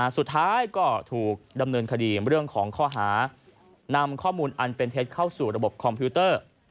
สุดท้ายก็ถูกดำเนินคดีเรื่องของข้อหานำข้อมูลอันเป็นเท็จเข้าสู่ระบบคอมพิวเตอร์